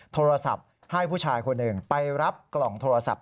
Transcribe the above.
โทรศัพท์ให้ผู้ชายคนหนึ่งไปรับกล่องโทรศัพท์